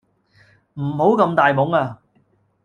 唔好咁大懵呀